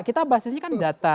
kita bahasanya kan data